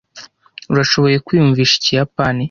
Urashobora kwiyumvisha ikiyapani?